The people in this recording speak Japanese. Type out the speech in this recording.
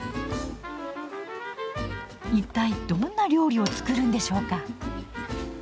一体どんな料理を作るんでしょうか。